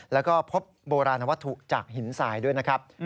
แล้วก็พบโบราณวัตถุจากหินทรายด้วยนะครับ